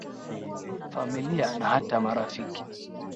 familia na hata marafiki